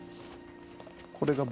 これが僕。